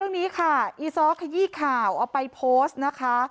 เรื่องนี้ค่ะอีซ้อขยี้ข่าวเอาไปโพสต์นะคะ